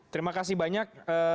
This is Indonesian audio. terima kasih banyak